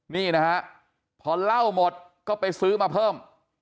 นี่นะฮะพอเหล้าหมดก็ไปซื้อมาเพิ่ม